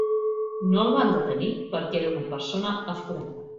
No el van detenir perquè era una persona aforada.